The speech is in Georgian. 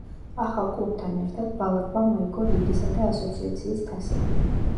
ახალ კლუბთან ერთად ბალაკმა მოიგო ლიგისა და ასოციაციის თასები.